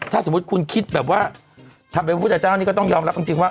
ถ้าสมมุติคุณคิดแบบว่าทำเป็นพระพุทธเจ้านี่ก็ต้องยอมรับจริงว่า